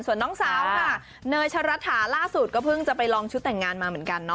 ส่วนน้องสาวค่ะเนยชะรัฐาล่าสุดก็เพิ่งจะไปลองชุดแต่งงานมาเหมือนกันเนาะ